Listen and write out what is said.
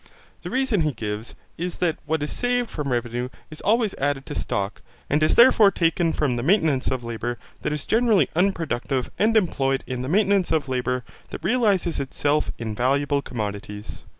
The reason he gives is that what is saved from revenue is always added to stock, and is therefore taken from the maintenance of labour that is generally unproductive and employed in the maintenance of labour that realizes itself in valuable commodities.